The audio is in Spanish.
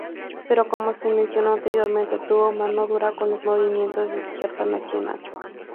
Pero como se mencionó anteriormente, tuvo mano dura con los movimientos de izquierda nacional.